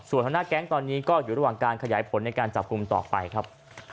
ส่วนหัวหน้าแก๊งตอนนี้ก็อยู่ระหว่างการขยายผลในการจับกลุ่มต่อไปครับ